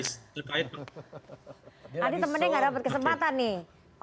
adi temannya nggak dapet kesempatan nih